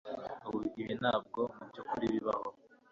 Ibi ntabwo mubyukuri bibaho